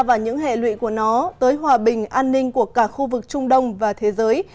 và những hệ lụy của nó tới hòa bình an ninh của cả khu vực trung đông và thế giới